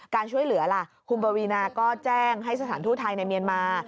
การช่วยเหลือคุณบวีนะเจ้งให้สถานทั่วไทยในเมียนมา